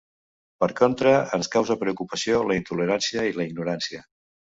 Per contra, ens causa preocupació la intolerància i la ignorància.